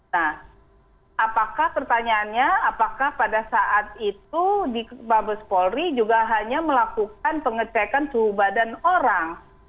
nah apakah pertanyaannya apakah pada saat itu di mabes polri juga hanya melakukan pengecekan suhu badan orang